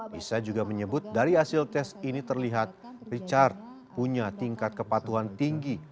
lisa juga menyebut dari hasil tes ini terlihat richard punya tingkat kepatuhan tinggi